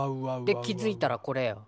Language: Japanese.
で気づいたらこれよ。